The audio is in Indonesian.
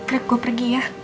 rick gue pergi ya